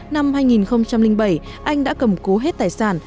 năm hai nghìn bảy anh đã cầm cố hết tài sản